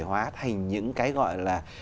hóa thành những cái gọi là